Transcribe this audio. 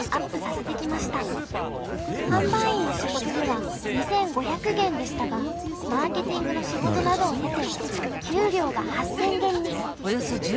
販売員の仕事では２，５００元でしたがマーケティングの仕事などを経て給料が８，０００元に。